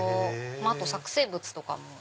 あと作成物とかも。